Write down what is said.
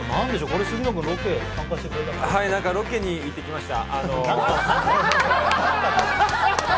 ロケに行ってきました。